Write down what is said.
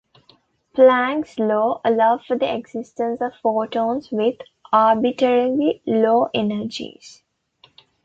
Planck's law allows for the existence of photons with arbitrarily low energies.